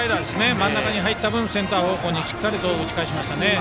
真ん中に入った分センター方向にしっかり打ち返しました。